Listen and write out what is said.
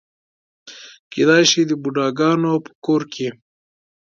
کېدای شي د بوډاګانو په کور کې.